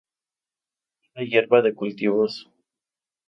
Mala hierba de cultivos.